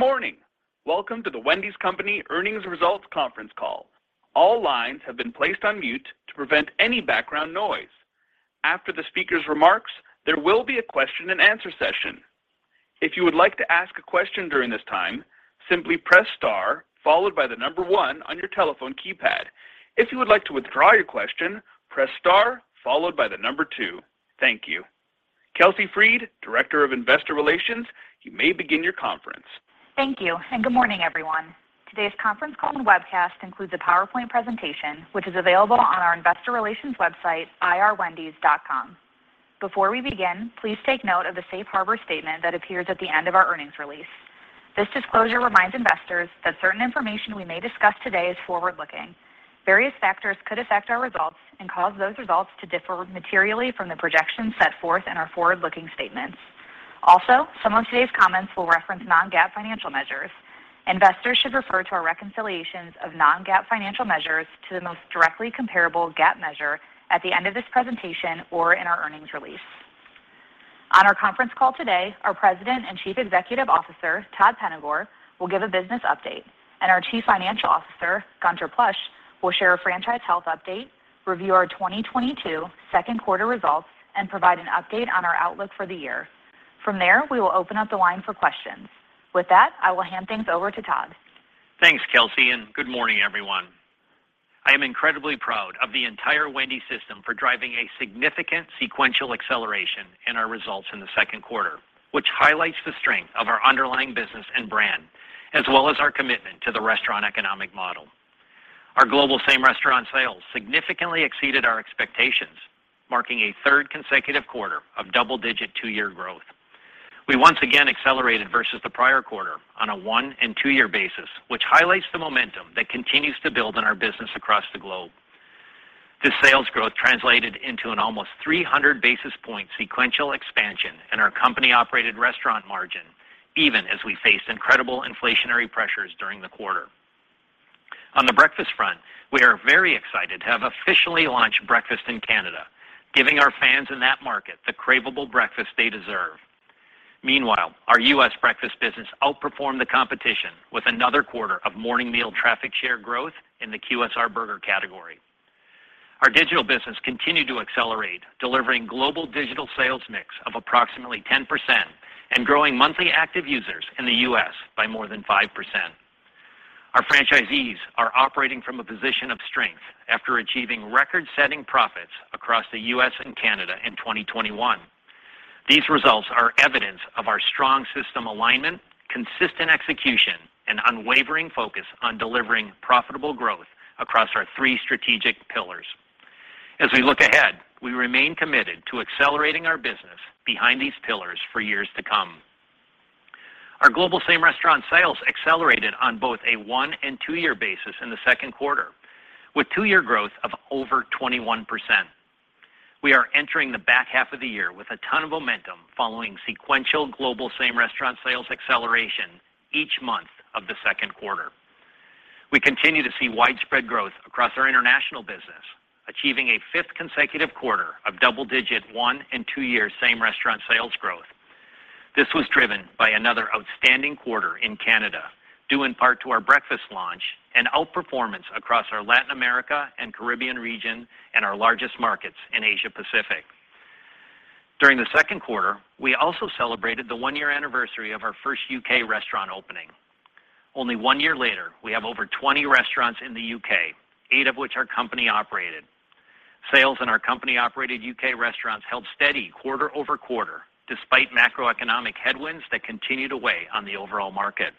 Good morning. Welcome to The Wendy's Company Earnings Results Conference Call. All lines have been placed on mute to prevent any background noise. After the speaker's remarks, there will be a question-and-answer session. If you would like to ask a question during this time, simply press star followed by the number one on your telephone keypad. If you would like to withdraw your question, press star followed by the number two. Thank you. Kelsey Freed, Director of Investor Relations, you may begin your conference. Thank you, and good morning, everyone. Today's conference call and webcast includes a PowerPoint presentation, which is available on our investor relations website, ir.wendys.com. Before we begin, please take note of the safe harbor statement that appears at the end of our earnings release. This disclosure reminds investors that certain information we may discuss today is forward-looking. Various factors could affect our results and cause those results to differ materially from the projections set forth in our forward-looking statements. Also, some of today's comments will reference non-GAAP financial measures. Investors should refer to our reconciliations of non-GAAP financial measures to the most directly comparable GAAP measure at the end of this presentation or in our earnings release. On our conference call today, our President and Chief Executive Officer, Todd Penegor, will give a business update, and our Chief Financial Officer, Gunther Plosch, will share a franchise health update, review our 2022 second quarter results, and provide an update on our outlook for the year. From there, we will open up the line for questions. With that, I will hand things over to Todd. Thanks, Kelsey, and good morning, everyone. I am incredibly proud of the entire Wendy's system for driving a significant sequential acceleration in our results in the second quarter, which highlights the strength of our underlying business and brand, as well as our commitment to the restaurant economic model. Our global same restaurant sales significantly exceeded our expectations, marking a third consecutive quarter of double-digit two-year growth. We once again accelerated versus the prior quarter on a one and two-year basis, which highlights the momentum that continues to build in our business across the globe. This sales growth translated into an almost 300 basis points sequential expansion in our company-operated restaurant margin, even as we faced incredible inflationary pressures during the quarter. On the breakfast front, we are very excited to have officially launched breakfast in Canada, giving our fans in that market the craveable breakfast they deserve. Meanwhile, our U.S. breakfast business outperformed the competition with another quarter of morning meal traffic share growth in the QSR burger category. Our digital business continued to accelerate, delivering global digital sales mix of approximately 10% and growing monthly active users in the U.S. by more than 5%. Our franchisees are operating from a position of strength after achieving record-setting profits across the U.S. and Canada in 2021. These results are evidence of our strong system alignment, consistent execution, and unwavering focus on delivering profitable growth across our three strategic pillars. As we look ahead, we remain committed to accelerating our business behind these pillars for years to come. Our global same restaurant sales accelerated on both a one- and two-year basis in the second quarter, with two-year growth of over 21%. We are entering the back half of the year with a ton of momentum following sequential global same restaurant sales acceleration each month of the second quarter. We continue to see widespread growth across our international business, achieving a fifth consecutive quarter of double-digit one- and two-year same restaurant sales growth. This was driven by another outstanding quarter in Canada, due in part to our breakfast launch and outperformance across our Latin America and Caribbean region and our largest markets in Asia Pacific. During the second quarter, we also celebrated the one-year anniversary of our first U.K. restaurant opening. Only one year later, we have over 20 restaurants in the U.K., eight of which are company operated. Sales in our company-operated U.K. restaurants held steady quarter over quarter despite macroeconomic headwinds that continued to weigh on the overall market.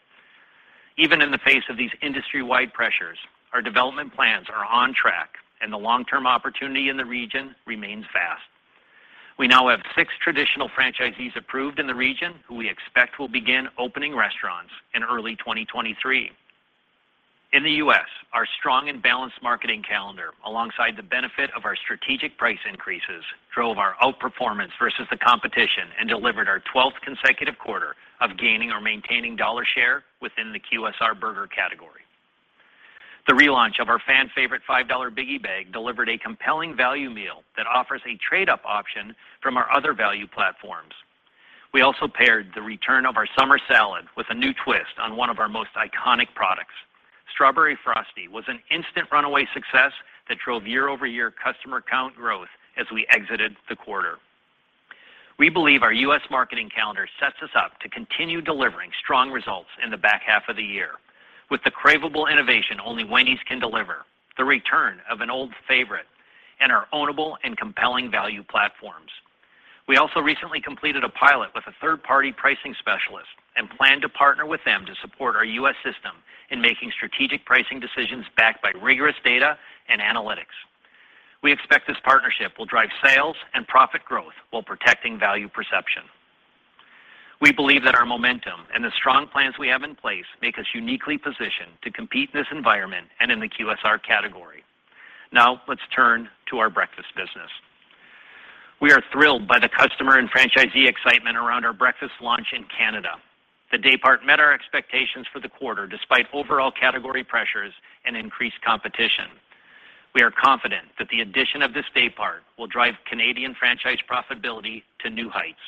Even in the face of these industry-wide pressures, our development plans are on track and the long-term opportunity in the region remains vast. We now have six traditional franchisees approved in the region who we expect will begin opening restaurants in early 2023. In the U.S., our strong and balanced marketing calendar, alongside the benefit of our strategic price increases, drove our outperformance versus the competition and delivered our twelfth consecutive quarter of gaining or maintaining dollar share within the QSR burger category. The relaunch of our fan favorite $5 Biggie Bag delivered a compelling value meal that offers a trade-up option from our other value platforms. We also paired the return of our summer salad with a new twist on one of our most iconic products. Strawberry Frosty was an instant runaway success that drove year-over-year customer count growth as we exited the quarter. We believe our U.S. marketing calendar sets us up to continue delivering strong results in the back half of the year with the craveable innovation only Wendy's can deliver, the return of an old favorite, and our ownable and compelling value platforms. We also recently completed a pilot with a third-party pricing specialist and plan to partner with them to support our U.S. system in making strategic pricing decisions backed by rigorous data and analytics. We expect this partnership will drive sales and profit growth while protecting value perception. We believe that our momentum and the strong plans we have in place make us uniquely positioned to compete in this environment and in the QSR category. Now let's turn to our breakfast business. We are thrilled by the customer and franchisee excitement around our breakfast launch in Canada. The day part met our expectations for the quarter despite overall category pressures and increased competition. We are confident that the addition of this day part will drive Canadian franchise profitability to new heights.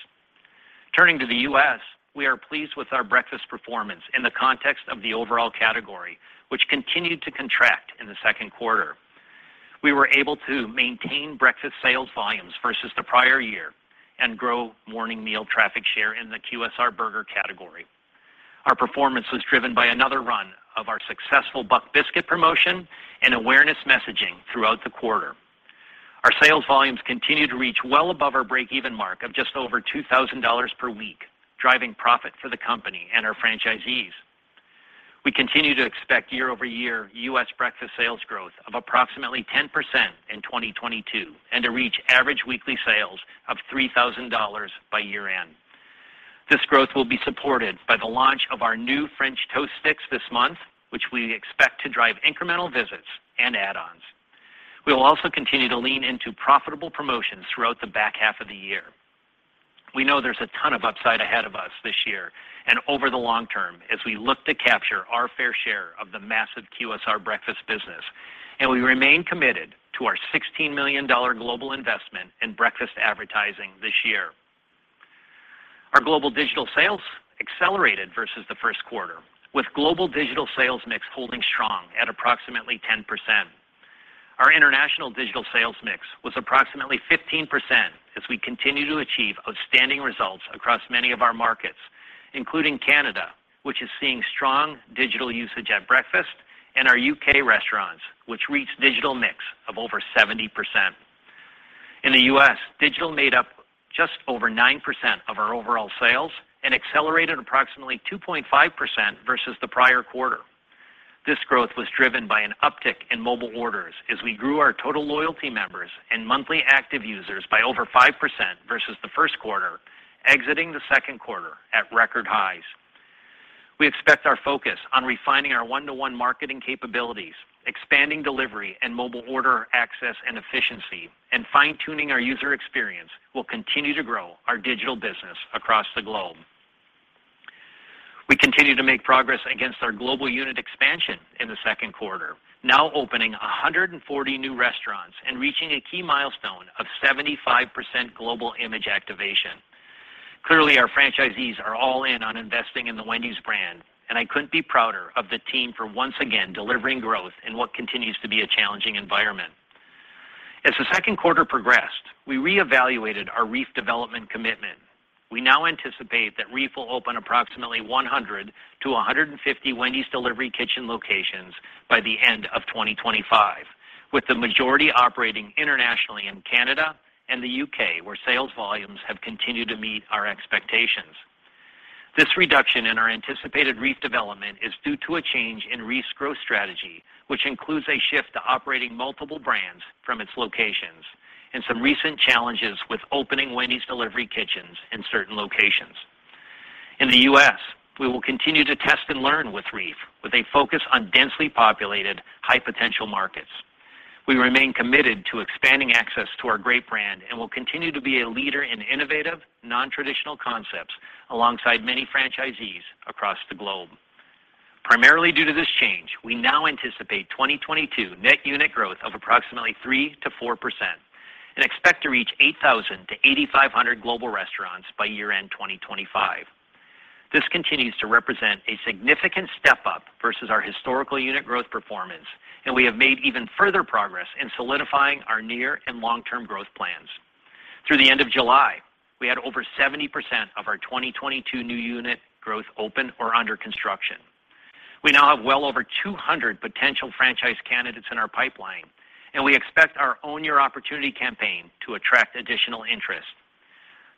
Turning to the U.S., we are pleased with our breakfast performance in the context of the overall category, which continued to contract in the second quarter. We were able to maintain breakfast sales volumes versus the prior year and grow morning meal traffic share in the QSR burger category. Our performance was driven by another run of our successful buck biscuit promotion and awareness messaging throughout the quarter. Our sales volumes continue to reach well above our breakeven mark of just over $2,000 per week, driving profit for the company and our franchisees. We continue to expect year-over-year U.S. breakfast sales growth of approximately 10% in 2022 and to reach average weekly sales of $3,000 by year-end. This growth will be supported by the launch of our new French Toast Sticks this month, which we expect to drive incremental visits and add-ons. We will also continue to lean into profitable promotions throughout the back half of the year. We know there's a ton of upside ahead of us this year and over the long term as we look to capture our fair share of the massive QSR breakfast business, and we remain committed to our $16 million global investment in breakfast advertising this year. Our global digital sales accelerated versus the first quarter, with global digital sales mix holding strong at approximately 10%. Our international digital sales mix was approximately 15% as we continue to achieve outstanding results across many of our markets, including Canada, which is seeing strong digital usage at breakfast, and our U.K. restaurants, which reached digital mix of over 70%. In the U.S., digital made up just over 9% of our overall sales and accelerated approximately 2.5% versus the prior quarter. This growth was driven by an uptick in mobile orders as we grew our total loyalty members and monthly active users by over 5% versus the first quarter, exiting the second quarter at record highs. We expect our focus on refining our one-to-one marketing capabilities, expanding delivery and mobile order access and efficiency, and fine-tuning our user experience will continue to grow our digital business across the globe. We continue to make progress against our global unit expansion in the second quarter, now opening 140 new restaurants and reaching a key milestone of 75% global image activation. Clearly, our franchisees are all in on investing in the Wendy's brand, and I couldn't be prouder of the team for once again delivering growth in what continues to be a challenging environment. As the second quarter progressed, we reevaluated our REEF development commitment. We now anticipate that REEF will open approximately 100-150 Wendy's delivery kitchen locations by the end of 2025, with the majority operating internationally in Canada and the U.K., where sales volumes have continued to meet our expectations. This reduction in our anticipated REEF development is due to a change in REEF's growth strategy, which includes a shift to operating multiple brands from its locations and some recent challenges with opening Wendy's delivery kitchens in certain locations. In the U.S., we will continue to test and learn with REEF with a focus on densely populated, high-potential markets. We remain committed to expanding access to our great brand and will continue to be a leader in innovative, non-traditional concepts alongside many franchisees across the globe. Primarily due to this change, we now anticipate 2022 net unit growth of approximately 3%-4% and expect to reach 8,000-8,500 global restaurants by year-end 2025. This continues to represent a significant step up versus our historical unit growth performance, and we have made even further progress in solidifying our near and long-term growth plans. Through the end of July, we had over 70% of our 2022 new unit growth open or under construction. We now have well over 200 potential franchise candidates in our pipeline, and we expect our Own Your Opportunity campaign to attract additional interest.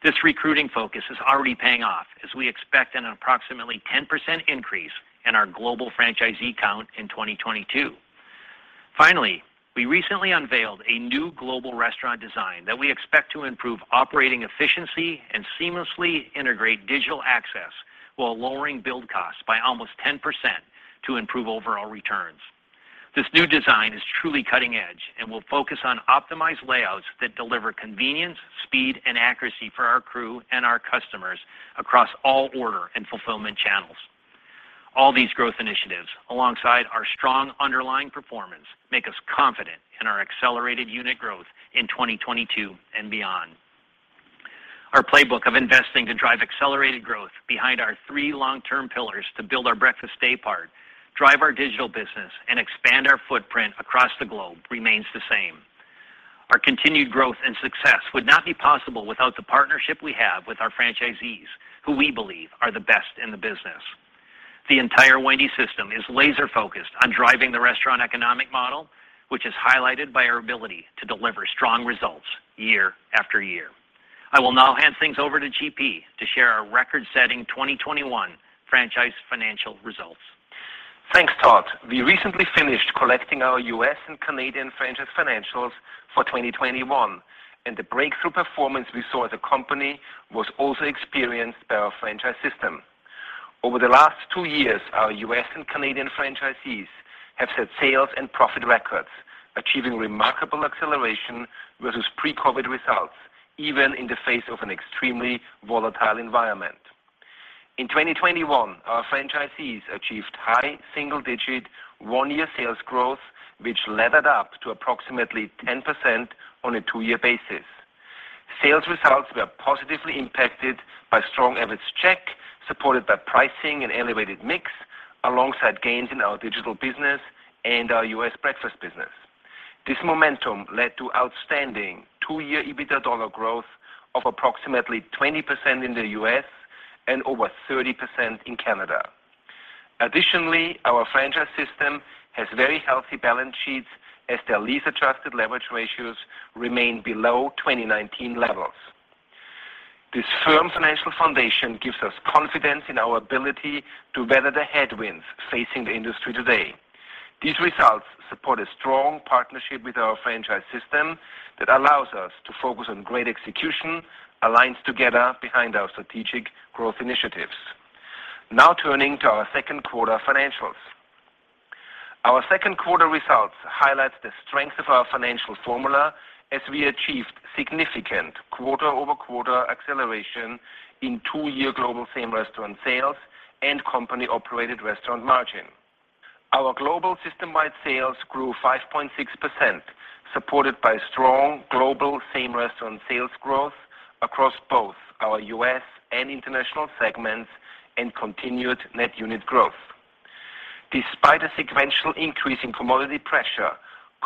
This recruiting focus is already paying off as we expect an approximately 10% increase in our global franchisee count in 2022. Finally, we recently unveiled a new global restaurant design that we expect to improve operating efficiency and seamlessly integrate digital access while lowering build costs by almost 10% to improve overall returns. This new design is truly cutting edge and will focus on optimized layouts that deliver convenience, speed, and accuracy for our crew and our customers across all order and fulfillment channels. All these growth initiatives, alongside our strong underlying performance, make us confident in our accelerated unit growth in 2022 and beyond. Our playbook of investing to drive accelerated growth behind our three long-term pillars to build our breakfast daypart, drive our digital business, and expand our footprint across the globe remains the same. Our continued growth and success would not be possible without the partnership we have with our franchisees, who we believe are the best in the business. The entire Wendy's system is laser focused on driving the restaurant economic model, which is highlighted by our ability to deliver strong results year after year. I will now hand things over to GP to share our record-setting 2021 franchise financial results. Thanks, Todd. We recently finished collecting our U.S. and Canadian franchise financials for 2021, and the breakthrough performance we saw as a company was also experienced by our franchise system. Over the last two years, our U.S. and Canadian franchisees have set sales and profit records, achieving remarkable acceleration versus pre-COVID results, even in the face of an extremely volatile environment. In 2021, our franchisees achieved high single-digit one-year sales growth, which levered up to approximately 10% on a two-year basis. Sales results were positively impacted by strong average check, supported by pricing and elevated mix alongside gains in our digital business and our U.S. breakfast business. This momentum led to outstanding two-year EBITDA dollar growth of approximately 20% in the U.S. and over 30% in Canada. Additionally, our franchise system has very healthy balance sheets as their lease adjusted leverage ratios remain below 2019 levels. This firm financial foundation gives us confidence in our ability to weather the headwinds facing the industry today. These results support a strong partnership with our franchise system that allows us to focus on great execution, aligned together behind our strategic growth initiatives. Now turning to our second quarter financials. Our second quarter results highlight the strength of our financial formula as we achieved significant quarter-over-quarter acceleration in two-year global same restaurant sales and company-operated restaurant margin. Our global system-wide sales grew 5.6%, supported by strong global same restaurant sales growth across both our U.S. and international segments and continued net unit growth. Despite a sequential increase in commodity pressure,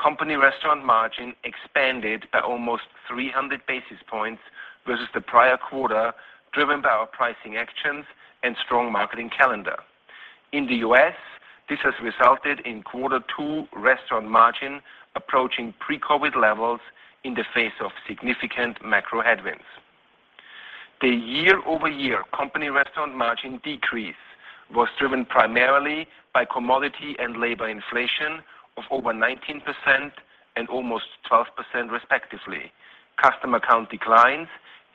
company restaurant margin expanded by almost 300 basis points versus the prior quarter, driven by our pricing actions and strong marketing calendar. In the U.S., this has resulted in quarter two restaurant margin approaching pre-COVID levels in the face of significant macro headwinds. The year-over-year company restaurant margin decrease was driven primarily by commodity and labor inflation of over 19% and almost 12% respectively, customer count declines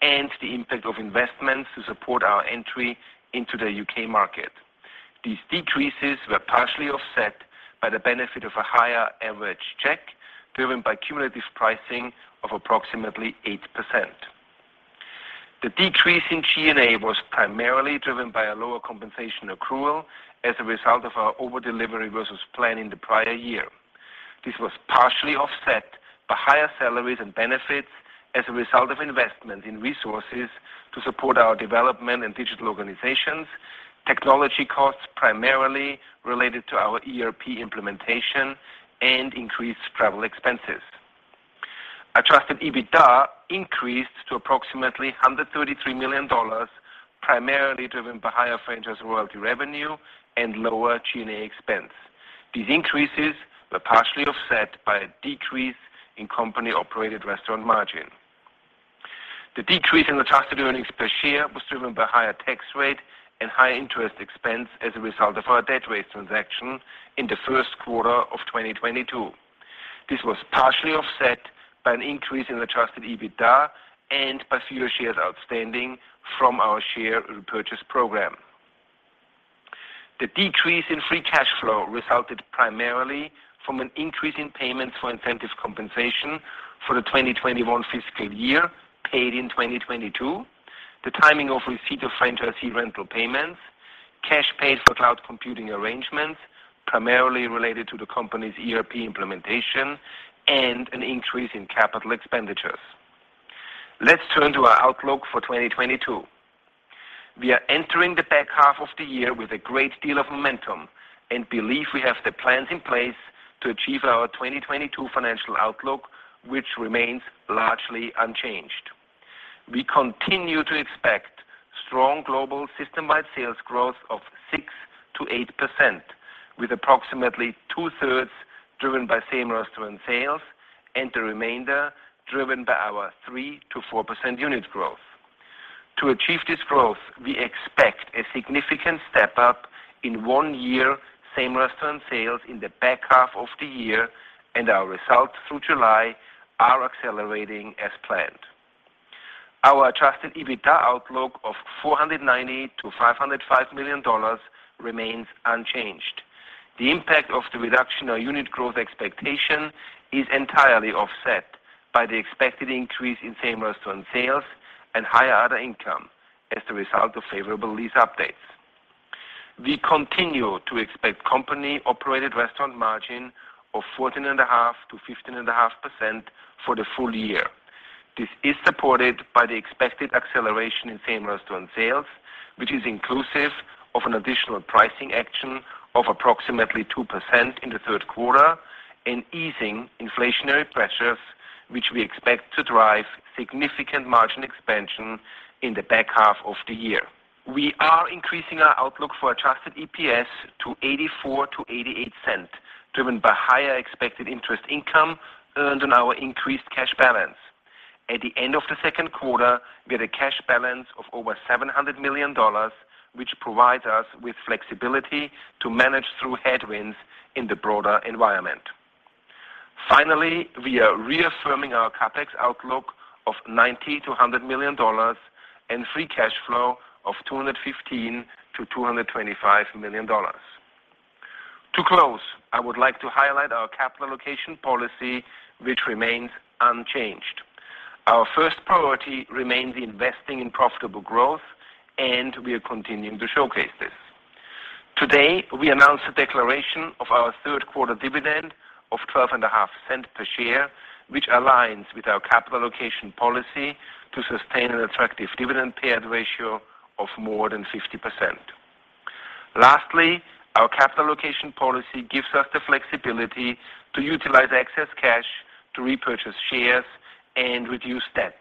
and the impact of investments to support our entry into the U.K. market. These decreases were partially offset by the benefit of a higher average check, driven by cumulative pricing of approximately 8%. The decrease in G&A was primarily driven by a lower compensation accrual as a result of our over delivery versus plan in the prior year. This was partially offset by higher salaries and benefits as a result of investment in resources to support our development and digital organizations, technology costs primarily related to our ERP implementation and increased travel expenses. Adjusted EBITDA increased to approximately $133 million, primarily driven by higher franchise royalty revenue and lower G&A expense. These increases were partially offset by a decrease in company operated restaurant margin. The decrease in adjusted earnings per share was driven by higher tax rate and higher interest expense as a result of our debt waiver transaction in the first quarter of 2022. This was partially offset by an increase in adjusted EBITDA and by fewer shares outstanding from our share repurchase program. The decrease in free cash flow resulted primarily from an increase in payments for incentive compensation for the 2021 fiscal year paid in 2022, the timing of receipt of franchisee rental payments, cash paid for cloud computing arrangements, primarily related to the company's ERP implementation, and an increase in capital expenditures. Let's turn to our outlook for 2022. We are entering the back half of the year with a great deal of momentum and believe we have the plans in place to achieve our 2022 financial outlook, which remains largely unchanged. We continue to expect strong global system-wide sales growth of 6%-8%, with approximately two-thirds driven by same restaurant sales and the remainder driven by our 3%-4% unit growth. To achieve this growth, we expect a significant step up in one-year same-restaurant sales in the back half of the year and our results through July are accelerating as planned. Our adjusted EBITDA outlook of $490 million-$505 million remains unchanged. The impact of the reduction of unit growth expectation is entirely offset by the expected increase in same-restaurant sales and higher other income as a result of favorable lease updates. We continue to expect company-operated restaurant margin of 14.5%-15.5% for the full year. This is supported by the expected acceleration in same-restaurant sales, which is inclusive of an additional pricing action of approximately 2% in the third quarter and easing inflationary pressures, which we expect to drive significant margin expansion in the back half of the year. We are increasing our outlook for adjusted EPS to $0.84-$0.88, driven by higher expected interest income earned on our increased cash balance. At the end of the second quarter, we had a cash balance of over $700 million, which provides us with flexibility to manage through headwinds in the broader environment. Finally, we are reaffirming our CapEx outlook of $90 million-$100 million and free cash flow of $215 million-$225 million. To close, I would like to highlight our capital allocation policy, which remains unchanged. Our first priority remains investing in profitable growth, and we are continuing to showcase this. Today, we announced the declaration of our third quarter dividend of $0.125 per share, which aligns with our capital allocation policy to sustain an attractive dividend payout ratio of more than 50%. Lastly, our capital allocation policy gives us the flexibility to utilize excess cash to repurchase shares and reduce debt.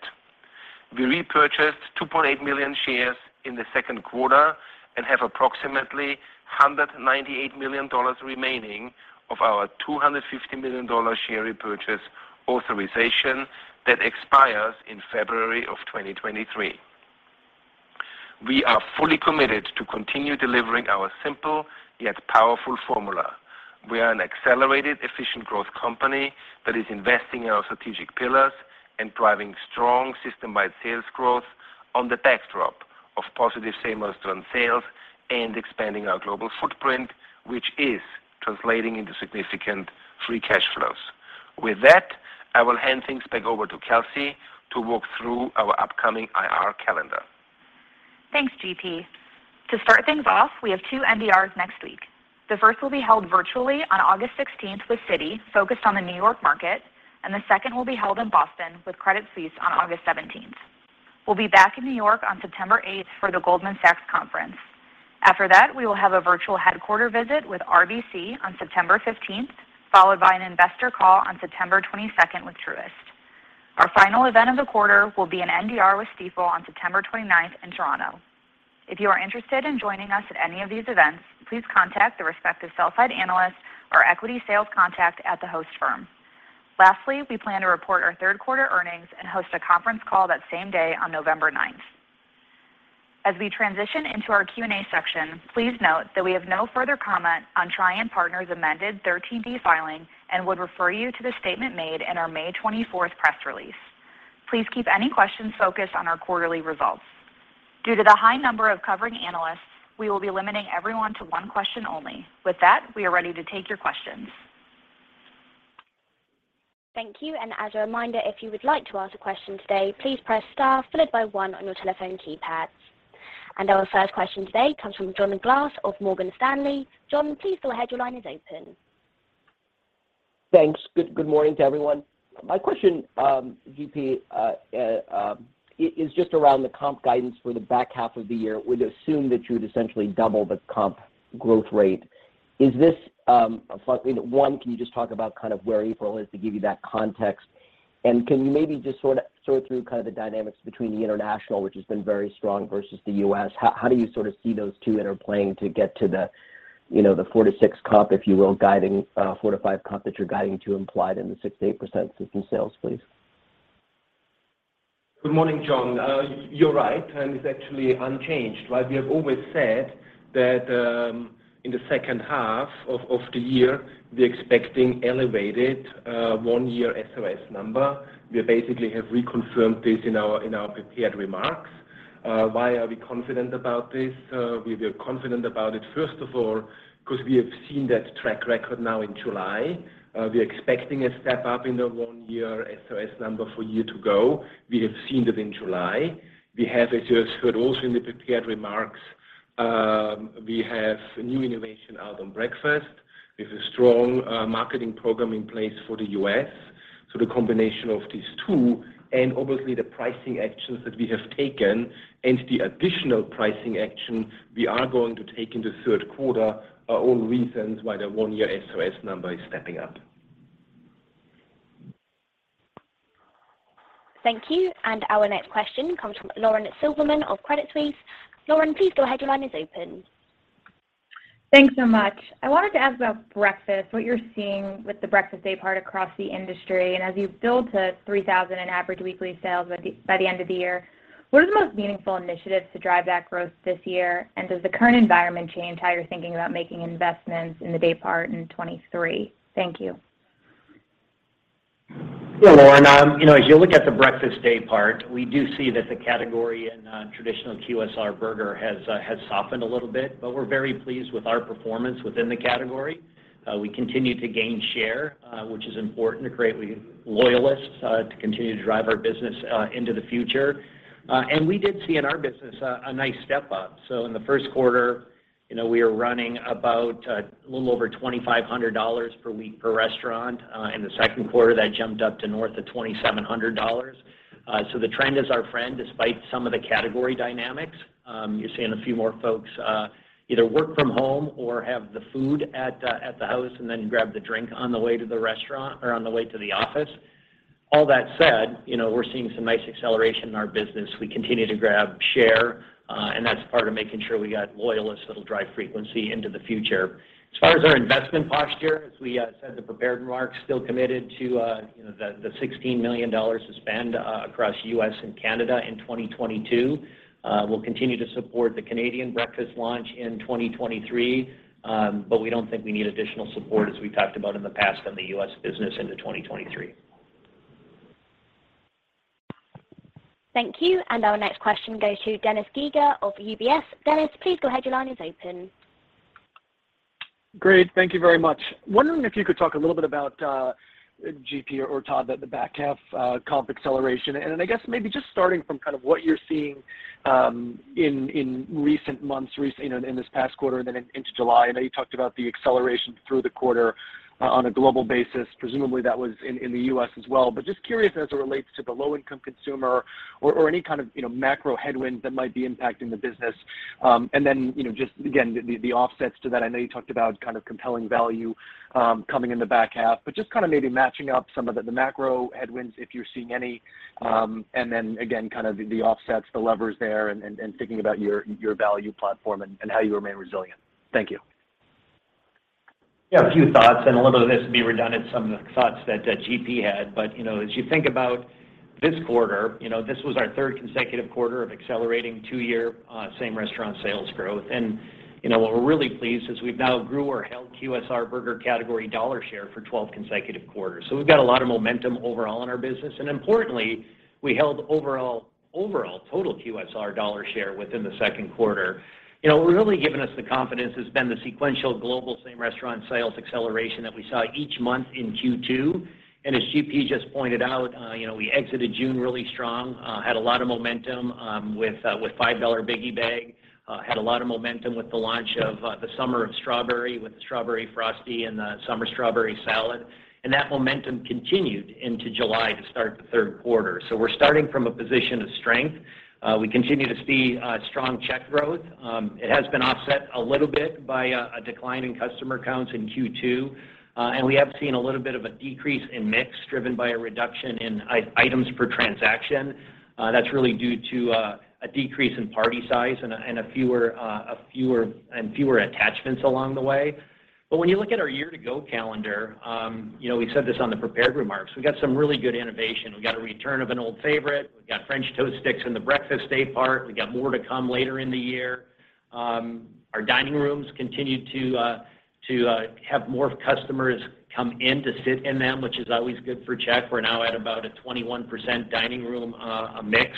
We repurchased 2.8 million shares in the second quarter and have approximately $198 million remaining of our $250 million share repurchase authorization that expires in February of 2023. We are fully committed to continue delivering our simple yet powerful formula. We are an accelerated, efficient growth company that is investing in our strategic pillars and driving strong system-wide sales growth on the backdrop of positive same restaurant sales and expanding our global footprint, which is translating into significant free cash flows. With that, I will hand things back over to Kelsey to walk through our upcoming IR calendar. Thanks, GP. To start things off, we have two NDRs next week. The first will be held virtually on August 16 with Citi, focused on the New York market, and the second will be held in Boston with Credit Suisse on August 17. We'll be back in New York on September 8 for the Goldman Sachs conference. After that, we will have a virtual headquarter visit with RBC on September 15, followed by an investor call on September 22nd with Truist. Our final event of the quarter will be an NDR with Stifel on September 29 in Toronto. If you are interested in joining us at any of these events, please contact the respective sell side analyst or equity sales contact at the host firm. Lastly, we plan to report our third quarter earnings and host a conference call that same day on November 9. As we transition into our Q&A section, please note that we have no further comment on Trian Partners' amended 13D filing and would refer you to the statement made in our May 24th press release. Please keep any questions focused on our quarterly results. Due to the high number of covering analysts, we will be limiting everyone to one question only. With that, we are ready to take your questions. Thank you. As a reminder, if you would like to ask a question today, please press star followed by one on your telephone keypad. Our first question today comes from John Glass of Morgan Stanley. John, please go ahead. Your line is open. Thanks. Good morning to everyone. My question, GP, is just around the comp guidance for the back half of the year. Would assume that you would essentially double the comp growth rate. Is this one, can you just talk about kind of where April is to give you that context? Can you maybe just sort through kind of the dynamics between the international, which has been very strong, versus the U.S.? How do you sort of see those two interplaying to get to the, you know, the 4%-6% comp, if you will, 4%-5% comp that you're guiding to implied in the 6%-8% system sales, please? Good morning, John. You're right, and it's actually unchanged, right? We have always said that, in the second half of the year, we're expecting elevated one-year SOS number. We basically have reconfirmed this in our prepared remarks. Why are we confident about this? We were confident about it, first of all, 'cause we have seen that track record now in July. We're expecting a step up in the one-year SOS number for year to go. We have seen that in July. We have, as you have heard also in the prepared remarks, we have a new innovation out on breakfast. We have a strong marketing program in place for the U.S. The combination of these two and obviously the pricing actions that we have taken and the additional pricing action we are going to take in the third quarter are all reasons why the one-year SOS number is stepping up. Thank you. Our next question comes from Lauren Silberman of Credit Suisse. Lauren, please go ahead. Your line is open. Thanks so much. I wanted to ask about breakfast, what you're seeing with the breakfast day part across the industry. As you build to 3,000 in average weekly sales by the end of the year, what are the most meaningful initiatives to drive that growth this year? Does the current environment change how you're thinking about making investments in the day part in 2023? Thank you. Yeah, Lauren. You know, as you look at the breakfast daypart, we do see that the category in traditional QSR burger has softened a little bit, but we're very pleased with our performance within the category. We continue to gain share, which is important to create loyalists, to continue to drive our business into the future. We did see in our business a nice step up. In the first quarter, you know, we are running about a little over $2,500 per week per restaurant. In the second quarter, that jumped up to north of $2,700. The trend is our friend, despite some of the category dynamics. You're seeing a few more folks either work from home or have the food at the house and then grab the drink on the way to the restaurant or on the way to the office. All that said, you know, we're seeing some nice acceleration in our business. We continue to grab share, and that's part of making sure we got loyalists that'll drive frequency into the future. As far as our investment posture, as we said in the prepared remarks, still committed to, you know, the $16 million to spend across U.S. and Canada in 2022. We'll continue to support the Canadian breakfast launch in 2023. We don't think we need additional support as we talked about in the past on the U.S. business into 2023. Thank you. Our next question goes to Dennis Geiger of UBS. Dennis, please go ahead. Your line is open. Great. Thank you very much. Wondering if you could talk a little bit about GP or Todd about the back half comp acceleration, and then I guess maybe just starting from kind of what you're seeing in recent months in this past quarter and then into July. I know you talked about the acceleration through the quarter on a global basis. Presumably, that was in the U.S. as well. But just curious as it relates to the low-income consumer or any kind of macro headwind that might be impacting the business. And then just again the offsets to that. I know you talked about kind of compelling value coming in the back half, but just kind of maybe matching up some of the macro headwinds, if you're seeing any. Kind of the offsets, the levers there, and thinking about your value platform and how you remain resilient. Thank you. A few thoughts, and a little bit of this will be redundant, some of the thoughts that GP had. You know, as you think about this quarter, you know, this was our third consecutive quarter of accelerating two-year same restaurant sales growth. You know, what we're really pleased is we've now grew or held QSR burger category dollar share for 12 consecutive quarters. We've got a lot of momentum overall in our business. Importantly, we held overall total QSR dollar share within the second quarter. You know, what really given us the confidence has been the sequential global same-restaurant sales acceleration that we saw each month in Q2. As GP just pointed out, you know, we exited June really strong, had a lot of momentum with $5 Biggie Bag, had a lot of momentum with the launch of the Summer of Strawberry with the Strawberry Frosty and the Summer Strawberry Salad. That momentum continued into July to start the third quarter. We're starting from a position of strength. We continue to see strong check growth. It has been offset a little bit by a decline in customer counts in Q2. We have seen a little bit of a decrease in mix driven by a reduction in items per transaction. That's really due to a decrease in party size and fewer attachments along the way. When you look at our year-to-go calendar, you know, we said this on the prepared remarks, we've got some really good innovation. We've got a return of an old favorite. We've got French Toast Sticks in the breakfast daypart. We've got more to come later in the year. Our dining rooms continue to have more customers come in to sit in them, which is always good for check. We're now at about a 21% dining room mix.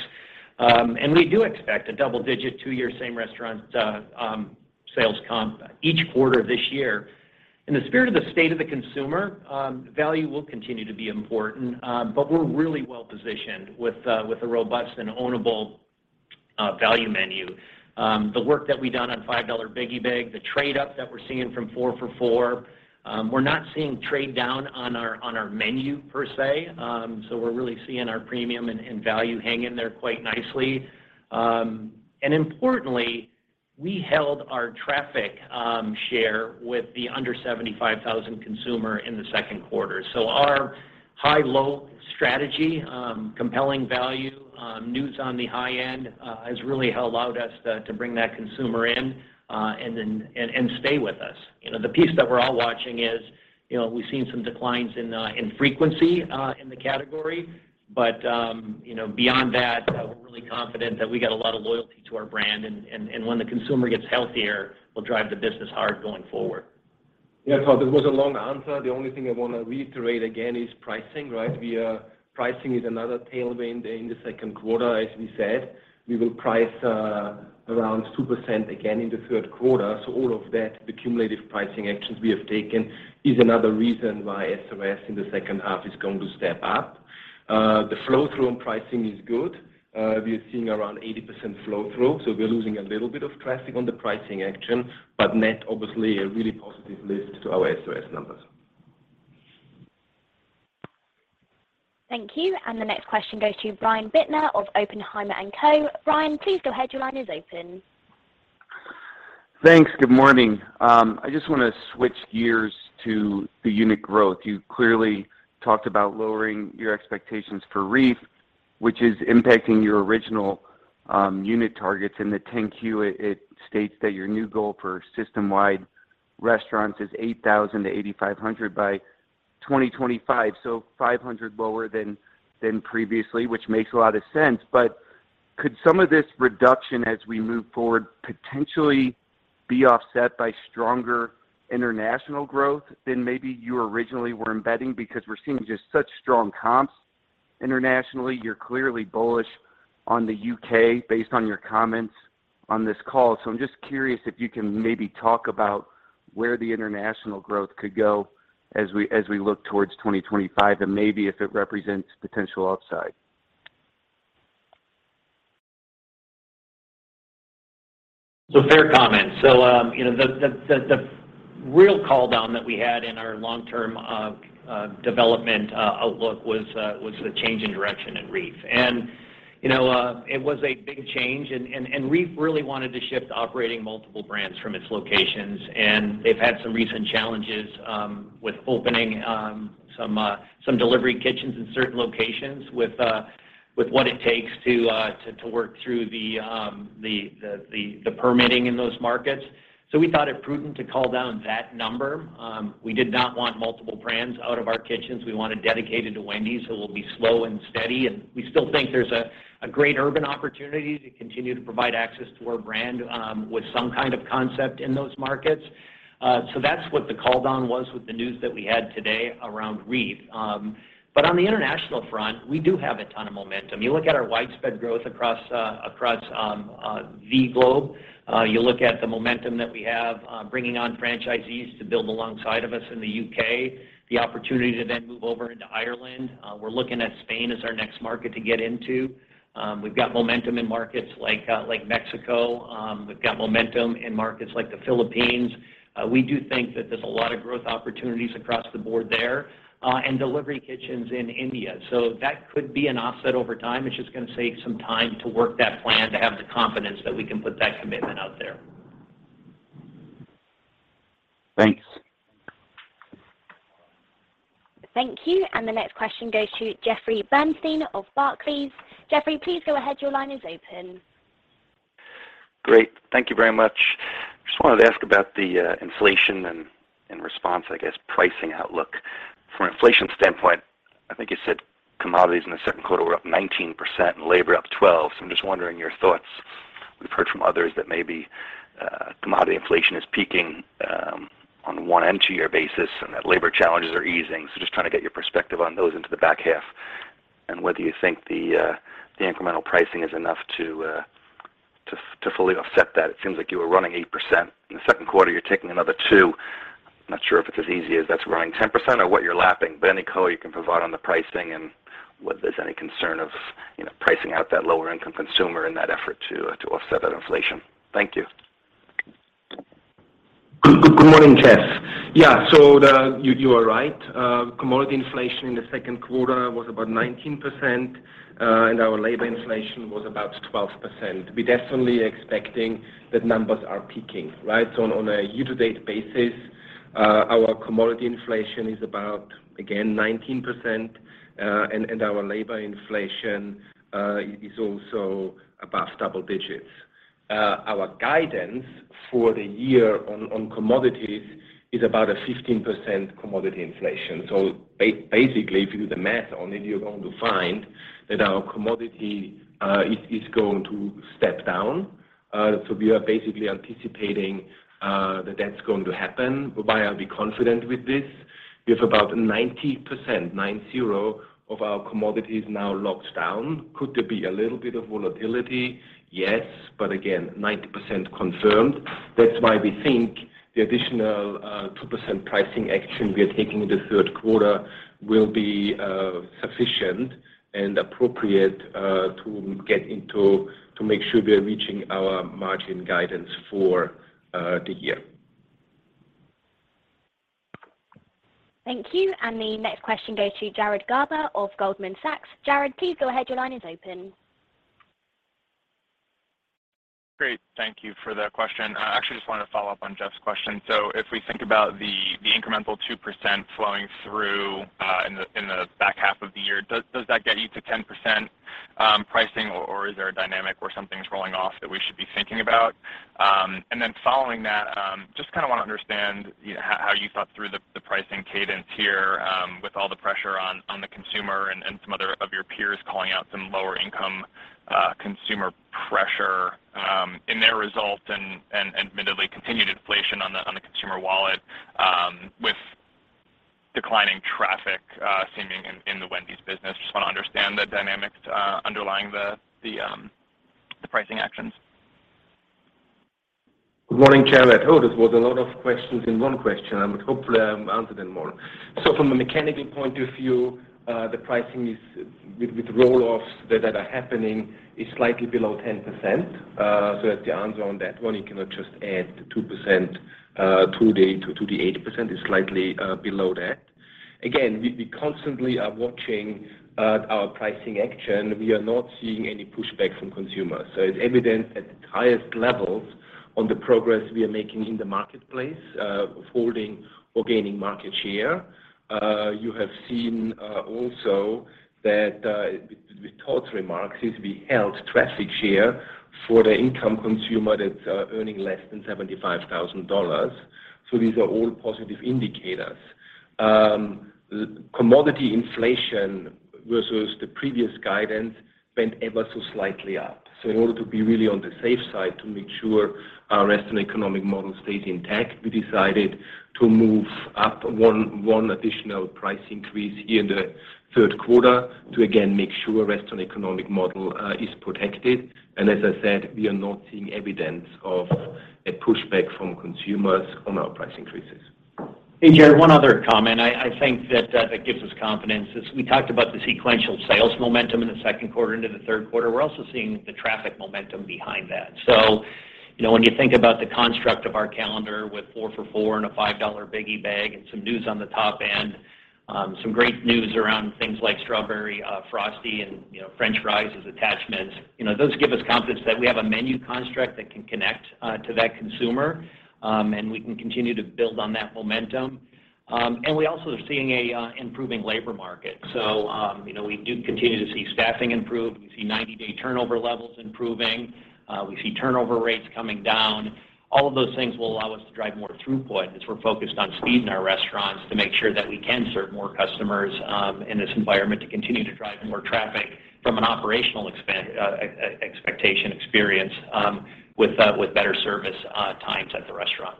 We do expect a double-digit, two-year same restaurant sales comp each quarter this year. In the spirit of the state of the consumer, value will continue to be important, but we're really well-positioned with a robust and ownable value menu. The work that we've done on $5 Biggie Bag, the trade up that we're seeing from 4 for $4, we're not seeing trade down on our menu per se. We're really seeing our premium and value hang in there quite nicely. Importantly, we held our traffic share with the under $75,000 consumer in the second quarter. Our high-low strategy, compelling value, news on the high end, has really allowed us to bring that consumer in and then stay with us. You know, the piece that we're all watching is, you know, we've seen some declines in frequency in the category. You know, beyond that, we're really confident that we got a lot of loyalty to our brand, and when the consumer gets healthier, we'll drive the business hard going forward. Yeah, Todd, that was a long answer. The only thing I wanna reiterate again is pricing, right? Pricing is another tailwind in the second quarter, as we said. We will price around 2% again in the third quarter. All of that, the cumulative pricing actions we have taken is another reason why SOS in the second half is going to step up. The flow-through on pricing is good. We are seeing around 80% flow-through, so we're losing a little bit of traffic on the pricing action, but net obviously a really positive lift to our SOS numbers. Thank you. The next question goes to Brian Bittner of Oppenheimer & Co. Brian, please go ahead. Your line is open. Thanks. Good morning. I just wanna switch gears to the unit growth. You clearly talked about lowering your expectations for REEF, which is impacting your original unit targets. In the 10-Q, it states that your new goal for system-wide restaurants is 8,000-8,500 by 2025. 500 lower than previously, which makes a lot of sense. Could some of this reduction as we move forward potentially be offset by stronger international growth than maybe you originally were embedding? Because we're seeing just such strong comps internationally. You're clearly bullish on the U.K. based on your comments on this call. I'm just curious if you can maybe talk about where the international growth could go as we look towards 2025, and maybe if it represents potential upside. Fair comment. You know, the real call down that we had in our long-term development outlook was the change in direction in REEF. You know, it was a big change, and REEF really wanted to shift operating multiple brands from its locations, and they've had some recent challenges with opening some delivery kitchens in certain locations with what it takes to work through the permitting in those markets. We thought it prudent to call down that number. We did not want multiple brands out of our kitchens. We want it dedicated to Wendy's, so we'll be slow and steady, and we still think there's a great urban opportunity to continue to provide access to our brand, with some kind of concept in those markets. That's what the cooldown was with the news that we had today around REEF. On the international front, we do have a ton of momentum. You look at our widespread growth across the globe, you look at the momentum that we have, bringing on franchisees to build alongside of us in the U.K., the opportunity to then move over into Ireland. We're looking at Spain as our next market to get into. We've got momentum in markets like Mexico. We've got momentum in markets like the Philippines. We do think that there's a lot of growth opportunities across the board there, and delivery kitchens in India. That could be an offset over time. It's just gonna take some time to work that plan, to have the confidence that we can put that commitment out there. Thanks. Thank you. The next question goes to Jeffrey Bernstein of Barclays. Jeffrey, please go ahead. Your line is open. Great. Thank you very much. Just wanted to ask about the inflation and response, I guess, pricing outlook. From an inflation standpoint, I think you said commodities in the second quarter were up 19% and labor up 12%, so I'm just wondering your thoughts. We've heard from others that maybe commodity inflation is peaking on a two-year basis and that labor challenges are easing. Just trying to get your perspective on those into the back half and whether you think the incremental pricing is enough to fully offset that. It seems like you were running 8%. In the second quarter, you're taking another 2%. Not sure if it's as easy as that's growing 10% or what you're lapping, but any color you can provide on the pricing and whether there's any concern of, you know, pricing out that lower income consumer in that effort to offset that inflation. Thank you. Good morning, Jeff. Yeah. You are right. Commodity inflation in the second quarter was about 19%, and our labor inflation was about 12%. We're definitely expecting that numbers are peaking, right? On a year-to-date basis, our commodity inflation is about, again, 19%, and our labor inflation is also above double digits. Our guidance for the year on commodities is about a 15% commodity inflation. Basically, if you do the math on it, you're going to find that our commodity is going to step down. We are basically anticipating that that's going to happen. Why I'll be confident with this? We have about 90%, nine zero, of our commodities now locked down. Could there be a little bit of volatility? Yes. 90% confirmed. That's why we think the additional 2% pricing action we are taking in the third quarter will be sufficient and appropriate to make sure we are reaching our margin guidance for the year. Thank you. The next question goes to Jared Garber of Goldman Sachs. Jared, please go ahead. Your line is open. Great. Thank you for the question. I actually just wanted to follow up on Jeffrey's question. If we think about the incremental 2% flowing through in the back half of the year, does that get you to 10% pricing, or is there a dynamic where something's rolling off that we should be thinking about? Following that, just kinda wanna understand, you know, how you thought through the pricing cadence here with all the pressure on the consumer and some other of your peers calling out some lower income consumer pressure in their results and admittedly continued inflation on the consumer wallet with declining traffic seeming in the Wendy's business. Just wanna understand the dynamics underlying the pricing actions. Good morning, Jared. I told us it was a lot of questions in one question, and hopefully I answered them all. From a mechanical point of view, the pricing is with roll-offs that are happening is slightly below 10%. That's the answer on that one. You cannot just add the 2% to the 80%. It's slightly below that. Again, we constantly are watching our pricing action. We are not seeing any pushback from consumers. It's evident at the highest levels on the progress we are making in the marketplace, holding or gaining market share. You have seen also that with Todd's remarks is we held traffic share for the income consumer that's earning less than $75,000. These are all positive indicators. Commodity inflation versus the previous guidance went ever so slightly up. In order to be really on the safe side to make sure our restaurant economic model stays intact, we decided to move up one additional price increase here in the third quarter to again make sure restaurant economic model is protected. As I said, we are not seeing evidence of a pushback from consumers on our price increases. Hey, Jared, one other comment. I think that that gives us confidence is we talked about the sequential sales momentum in the second quarter into the third quarter. We're also seeing the traffic momentum behind that. You know, when you think about the construct of our calendar with 4 for $4 and a $5 Biggie Bag and some news on the top end. Some great news around things like Strawberry Frosty and, you know, french fries as attachments. You know, those give us confidence that we have a menu construct that can connect to that consumer, and we can continue to build on that momentum. And we also are seeing a improving labor market. You know, we do continue to see staffing improve. We see 90-day turnover levels improving. We see turnover rates coming down. All of those things will allow us to drive more throughput as we're focused on speed in our restaurants to make sure that we can serve more customers in this environment to continue to drive more traffic from an operational experience with better service times at the restaurant.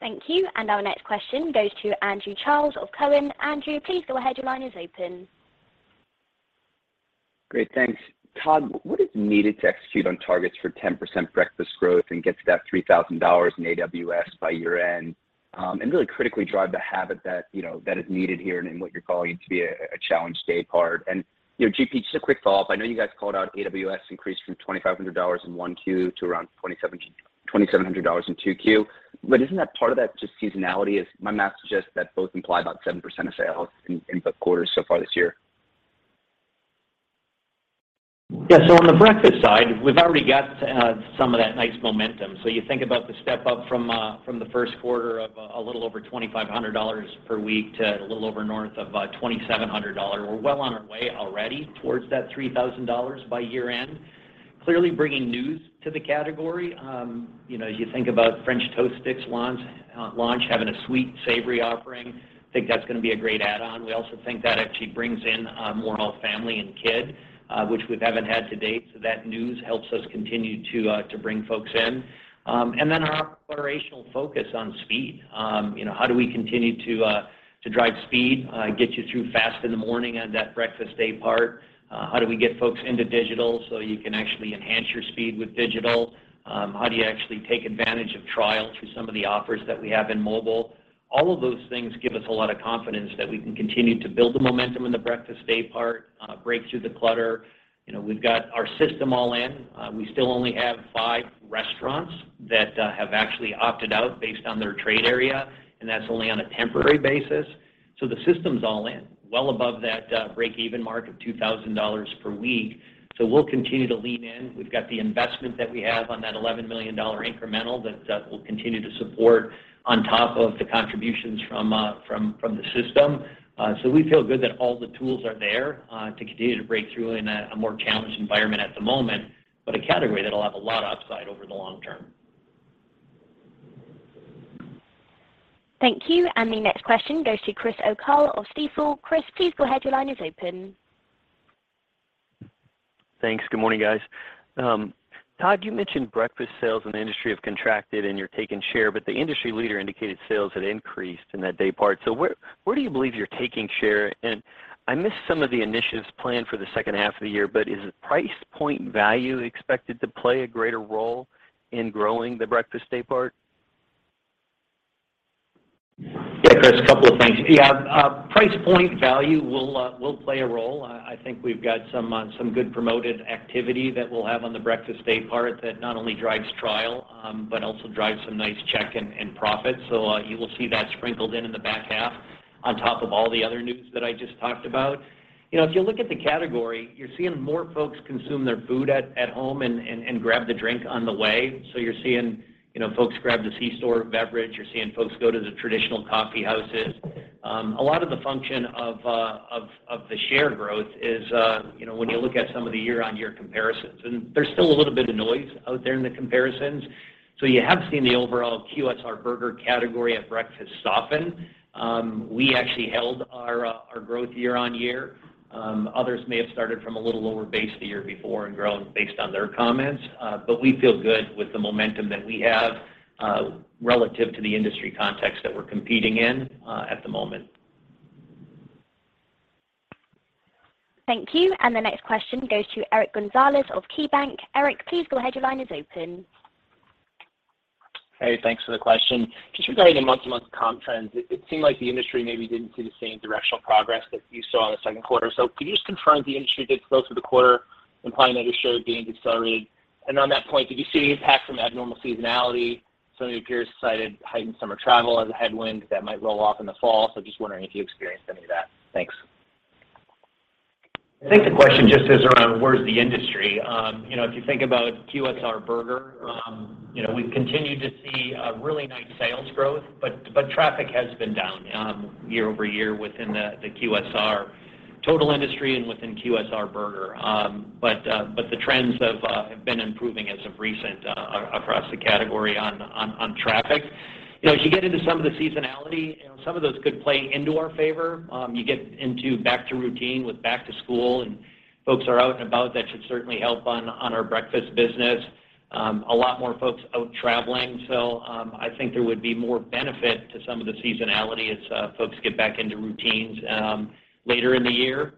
Thank you. Our next question goes to Andrew Charles of Cowen. Andrew, please go ahead. Your line is open. Great. Thanks. Todd, what is needed to execute on targets for 10% breakfast growth and get to that $3,000 in AWS by year-end, and really critically drive the habit that, you know, that is needed here and in what you're calling to be a challenge day part? You know, GP, just a quick follow-up. I know you guys called out AWS increase from $2,500 in 1Q to around $2,700 in 2Q. But isn't that part of that just seasonality, as my math suggests that both imply about 7% of sales in both quarters so far this year? Yeah. On the breakfast side, we've already got some of that nice momentum. You think about the step up from the first quarter of a little over $2,500 per week to a little over north of $2,700. We're well on our way already towards that $3,000 by year-end. Clearly bringing news to the category. You know, as you think about French Toast Sticks launch, having a sweet savory offering, I think that's gonna be a great add-on. We also think that actually brings in more whole family and kid, which we haven't had to date. That news helps us continue to bring folks in. Our operational focus on speed. You know, how do we continue to drive speed, get you through fast in the morning on that breakfast day part? How do we get folks into digital, so you can actually enhance your speed with digital? How do you actually take advantage of trial through some of the offers that we have in mobile? All of those things give us a lot of confidence that we can continue to build the momentum in the breakfast day part, break through the clutter. You know, we've got our system all in. We still only have five restaurants that have actually opted out based on their trade area, and that's only on a temporary basis. The system's all in, well above that breakeven mark of $2,000 per week. We'll continue to lean in. We've got the investment that we have on that $11 million incremental that will continue to support on top of the contributions from the system. We feel good that all the tools are there to continue to break through in a more challenged environment at the moment, but a category that'll have a lot of upside over the long term. Thank you. The next question goes to Chris O'Cull of Stifel. Chris, please go ahead. Your line is open. Thanks. Good morning, guys. Todd, you mentioned breakfast sales in the industry have contracted and you're taking share, but the industry leader indicated sales had increased in that day part. Where do you believe you're taking share? I missed some of the initiatives planned for the second half of the year, but is the price point value expected to play a greater role in growing the breakfast day part? Yeah, Chris, a couple of things. Yeah, price point value will play a role. I think we've got some good promoted activity that we'll have on the breakfast day part that not only drives trial, but also drives some nice check and profit. You will see that sprinkled in the back half on top of all the other news that I just talked about. You know, if you look at the category, you're seeing more folks consume their food at home and grab the drink on the way. You're seeing, you know, folks grab the C-store beverage. You're seeing folks go to the traditional coffee houses. A lot of the function of the share growth is, you know, when you look at some of the year-on-year comparisons, and there's still a little bit of noise out there in the comparisons. You have seen the overall QSR burger category at breakfast soften. We actually held our growth year-on-year. Others may have started from a little lower base the year before and grown based on their comments. We feel good with the momentum that we have, relative to the industry context that we're competing in, at the moment. Thank you. The next question goes to Eric Gonzalez of KeyBanc. Eric, please go ahead. Your line is open. Hey, thanks for the question. Just regarding the month-to-month comp trends, it seemed like the industry maybe didn't see the same directional progress that you saw in the second quarter. Could you just confirm the industry did slow through the quarter, implying that your comps accelerated? And on that point, did you see any impact from abnormal seasonality? Some of your peers cited heightened summer travel as a headwind that might roll off in the fall. Just wondering if you experienced any of that. Thanks. I think the question just is around where's the industry. You know, if you think about QSR burger, you know, we've continued to see really nice sales growth, but traffic has been down year over year within the QSR total industry and within QSR burger. The trends have been improving as of recent across the category on traffic. You know, as you get into some of the seasonality, you know, some of those could play into our favor. You get into back to routine with back to school, and folks are out and about. That should certainly help on our breakfast business. A lot more folks out traveling. I think there would be more benefit to some of the seasonality as folks get back into routines later in the year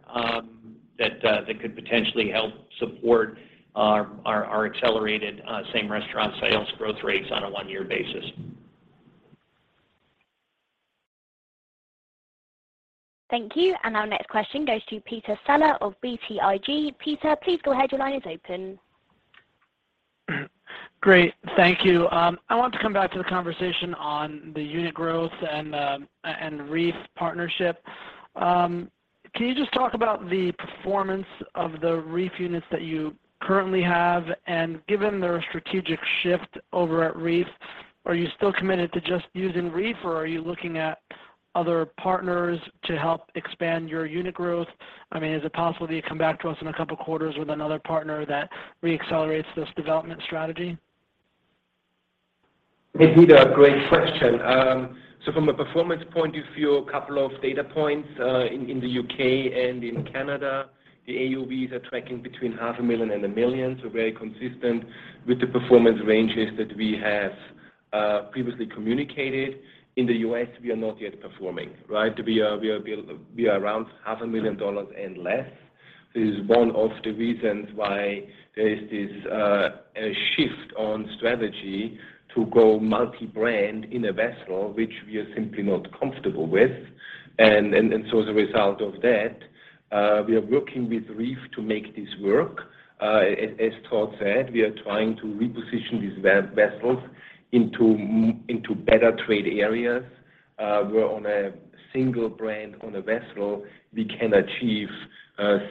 that could potentially help support our accelerated same-restaurant sales growth rates on a one-year basis. Thank you. Our next question goes to Peter Saleh of BTIG. Peter, please go ahead. Your line is open. Great. Thank you. I want to come back to the conversation on the unit growth and REEF partnership. Can you just talk about the performance of the REEF units that you currently have? Given their strategic shift over at REEF, are you still committed to just using REEF, or are you looking at other partners to help expand your unit growth? I mean, is it possible that you come back to us in a couple of quarters with another partner that re-accelerates this development strategy? Hey, Peter, great question. From a performance point of view, a couple of data points, in the U.K. and in Canada, the AUVs are tracking between $0.5 million and $1 million, very consistent with the performance ranges that we have previously communicated. In the U.S., we are not yet performing, right? We are around $0.5 million and less. This is one of the reasons why there is this a shift in strategy to go multi-brand in a vessel, which we are simply not comfortable with. As a result of that, we are working with REEF to make this work. As Todd said, we are trying to reposition these vessels into better trade areas, where on a single brand on a vessel, we can achieve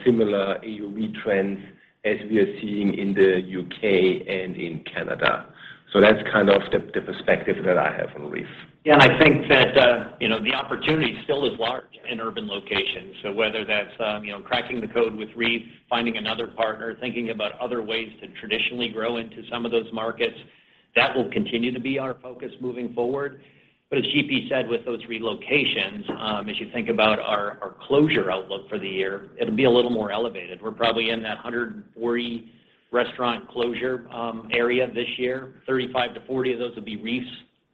similar AUV trends as we are seeing in the U.K. and in Canada. That's kind of the perspective that I have on REEF. Yeah. I think that, you know, the opportunity still is large in urban locations. Whether that's, you know, cracking the code with REEF, finding another partner, thinking about other ways to traditionally grow into some of those markets, that will continue to be our focus moving forward. As GP said with those relocations, as you think about our closure outlook for the year, it'll be a little more elevated. We're probably in that 140 restaurant closure area this year. 35-40 of those will be REEF's.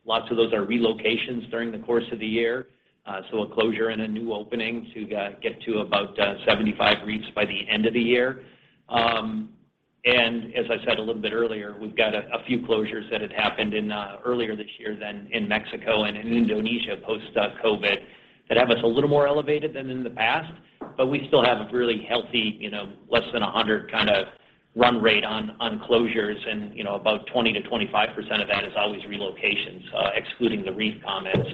Lots of those are relocations during the course of the year. A closure and a new opening to get to about 75 REEFs by the end of the year. As I said a little bit earlier, we've got a few closures that had happened in earlier this year in Mexico and in Indonesia post COVID that have us a little more elevated than in the past. We still have a really healthy, you know, less than 100 kinda run rate on closures and, you know, about 20%-25% of that is always relocations, excluding the REEF comments.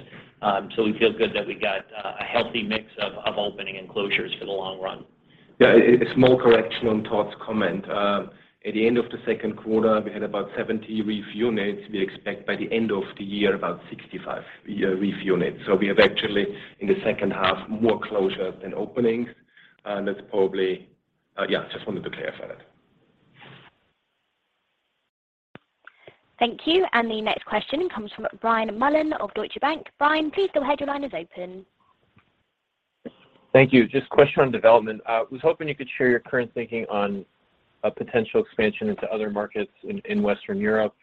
We feel good that we got a healthy mix of opening and closures for the long run. A small correction on Todd's comment. At the end of the second quarter, we had about 70 REEF units. We expect by the end of the year about 65 REEF units. We have actually in the second half more closures than openings. Just wanted to clarify that. Thank you. The next question comes from Brian Mullan of Deutsche Bank. Brian, please go ahead. Your line is open. Thank you. Just a question on development. I was hoping you could share your current thinking on a potential expansion into other markets in Western Europe.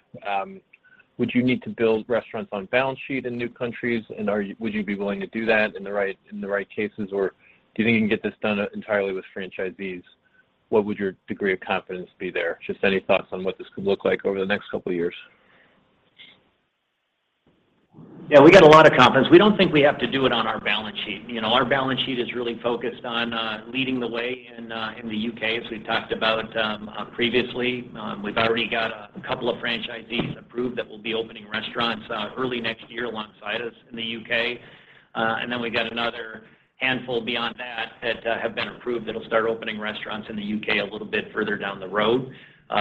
Would you need to build restaurants on balance sheet in new countries? Would you be willing to do that in the right cases? Or do you think you can get this done entirely with franchisees? What would your degree of confidence be there? Just any thoughts on what this could look like over the next couple of years. Yeah, we got a lot of confidence. We don't think we have to do it on our balance sheet. You know, our balance sheet is really focused on leading the way in the U.K., as we've talked about previously. We've already got a couple of franchisees approved that will be opening restaurants early next year alongside us in the U.K. We've got another handful beyond that that have been approved that'll start opening restaurants in the U.K. a little bit further down the road.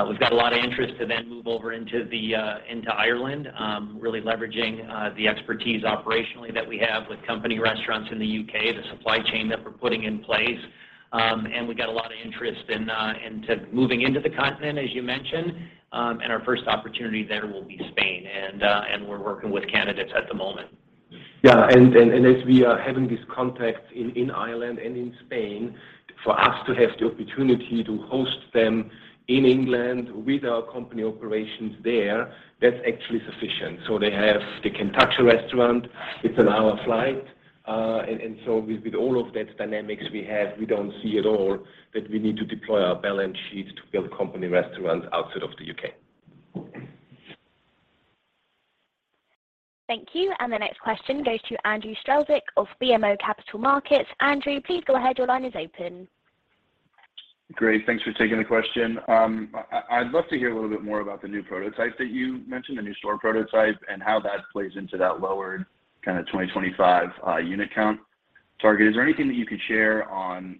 We've got a lot of interest to then move over into Ireland, really leveraging the expertise operationally that we have with company restaurants in the U.K., the supply chain that we're putting in place. We got a lot of interest in moving into the continent, as you mentioned. Our first opportunity there will be Spain, and we're working with candidates at the moment. Yeah. As we are having these contacts in Ireland and in Spain, for us to have the opportunity to host them in England with our company operations there, that's actually sufficient. They have the Kentucky restaurant. It's an hour flight. With all of that dynamics we have, we don't see at all that we need to deploy our balance sheets to build company restaurants outside of the U.K. Thank you. The next question goes to Andrew Strelzik of BMO Capital Markets. Andrew, please go ahead. Your line is open. Great. Thanks for taking the question. I'd love to hear a little bit more about the new prototype that you mentioned, the new store prototype, and how that plays into that lower kinda 2025 unit count target. Is there anything that you could share on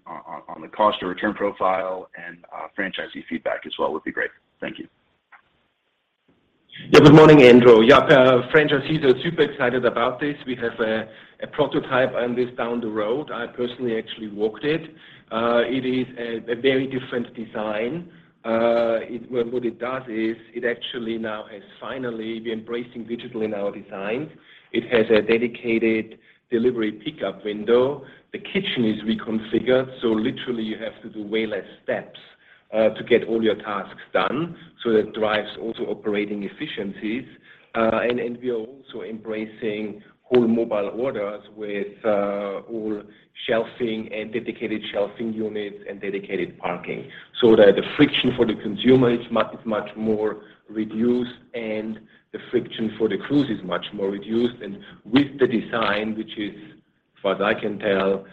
the cost or return profile and franchisee feedback as well would be great. Thank you. Good morning, Andrew. Franchisees are super excited about this. We have a prototype on this down the road. I personally actually walked it. It is a very different design. What it does is it actually now has finally been embracing digital in our designs. It has a dedicated delivery pickup window. The kitchen is reconfigured, so literally you have to do way less steps to get all your tasks done. That drives also operating efficiencies. We are also embracing whole mobile orders with whole shelving and dedicated shelving units and dedicated parking so that the friction for the consumer is much more reduced and the friction for the crews is much more reduced. With the design, which is, as I can tell,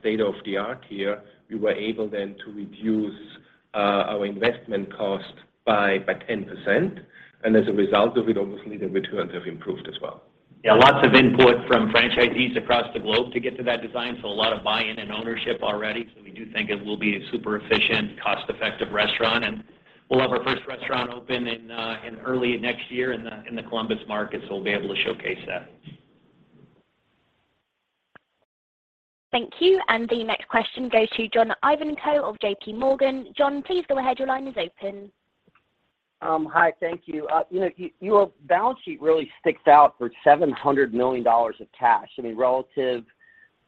state of the art here. We were able then to reduce our investment cost by 10%, and as a result of it, obviously the returns have improved as well. Yeah. Lots of input from franchisees across the globe to get to that design, so a lot of buy-in and ownership already. We do think it will be a super efficient, cost-effective restaurant. We'll have our first restaurant open in early next year in the Columbus market, so we'll be able to showcase that. Thank you. The next question goes to John Ivankoe of JPMorgan. John, please go ahead. Your line is open. Hi. Thank you. You know, your balance sheet really sticks out for $700 million of cash. I mean, relative,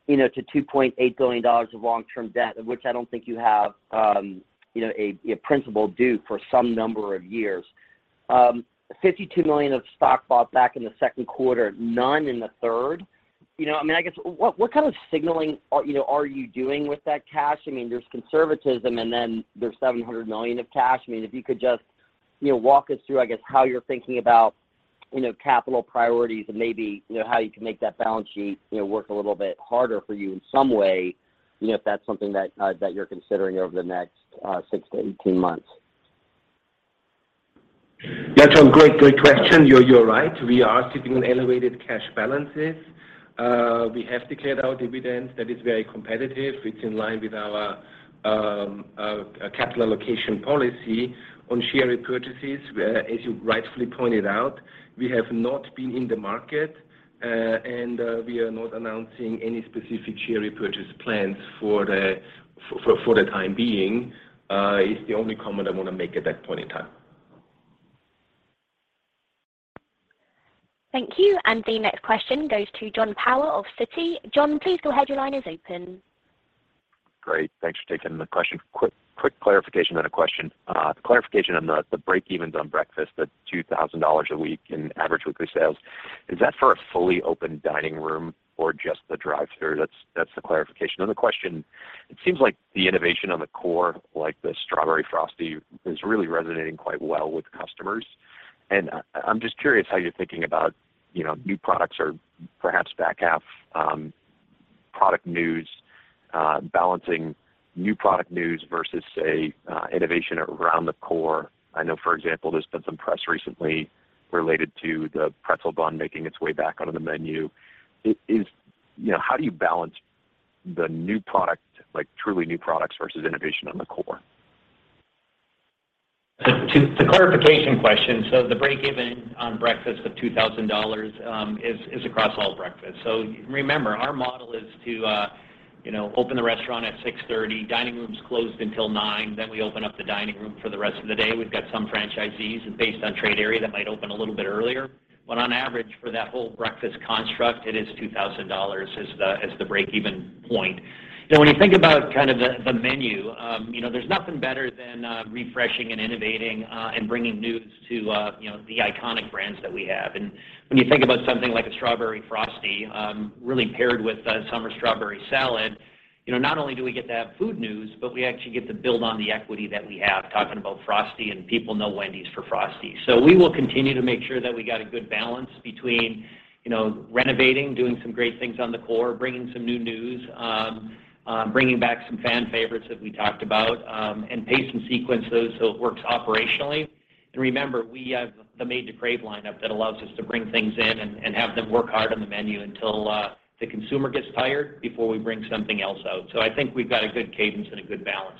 you know, to $2.8 billion of long-term debt, of which I don't think you have, you know, a principal due for some number of years. $52 million of stock bought back in the second quarter, none in the third. You know, I mean, I guess what kind of signaling are you doing with that cash? I mean, there's conservatism, and then there's $700 million of cash. I mean, if you could just, you know, walk us through, I guess, how you're thinking about, you know, capital priorities and maybe, you know, how you can make that balance sheet, you know, work a little bit harder for you in some way, you know, if that's something that you're considering over the next six to 18 months. Yeah. Great question. You're right. We are sitting on elevated cash balances. We have declared our dividends. That is very competitive. It's in line with our capital allocation policy on share repurchases, where, as you rightfully pointed out, we have not been in the market, and we are not announcing any specific share repurchase plans for the time being is the only comment I wanna make at that point in time. Thank you. The next question goes to Jon Tower of Citi. Jon, please go ahead. Your line is open. Great. Thanks for taking the question. Quick clarification, then a question. The clarification on the breakevens on breakfast at $2,000 a week in average weekly sales. Is that for a fully open dining room or just the drive-thru? That's the clarification. Then the question: It seems like the innovation on the core, like the Strawberry Frosty, is really resonating quite well with customers. I'm just curious how you're thinking about, you know, new products or perhaps back half product news, balancing new product news versus, say, innovation around the core. I know, for example, there's been some press recently related to the pretzel bun making its way back onto the menu. You know, how do you balance the new product, like, truly new products versus innovation on the core? To the clarification question, the break even on breakfast of $2,000 is across all breakfast. Remember, our model is to you know, open the restaurant at 6:30 A.M., dining room's closed until 9:00 A.M., then we open up the dining room for the rest of the day. We've got some franchisees based on trade area that might open a little bit earlier. On average, for that whole breakfast construct, it is $2,000 as the break even point. You know, when you think about kind of the menu, you know, there's nothing better than refreshing and innovating and bringing new to you know, the iconic brands that we have. When you think about something like a Strawberry Frosty, really paired with a Summer Strawberry Salad, you know, not only do we get to have food news, but we actually get to build on the equity that we have talking about Frosty, and people know Wendy's for Frosty. We will continue to make sure that we got a good balance between, you know, renovating, doing some great things on the core, bringing some new news, bringing back some fan favorites that we talked about, and pace and sequence those so it works operationally. Remember, we have the Made to Crave lineup that allows us to bring things in and have them work hard on the menu until the consumer gets tired before we bring something else out. I think we've got a good cadence and a good balance.